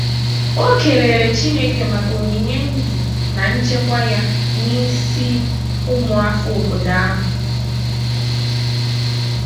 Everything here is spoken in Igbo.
O kelere Chineke maka onyinye ndụ na nchekwa ya n'isi ụmụafọ obodo ahụ